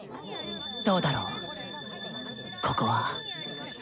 どうだろうここは。